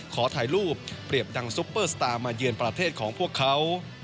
ขอถ่ายรูปเปรียบดังซุปเปอร์สตาร์มาเยือนประเทศของพวกเขา